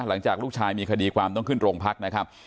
หลังจากลูกชายมีคดีความต้องขึ้นโรงพักนะครับ